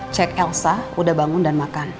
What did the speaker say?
cek elsa udah bangun dan makan